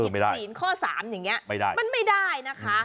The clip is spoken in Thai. ผิดศีลข้อ๓อย่างเงี้ยมันไม่ได้นะคะ